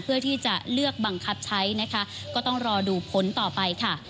เพื่อที่จะเลือกบังคับใช้นะคะก็ต้องรอดูผลต่อไปค่ะ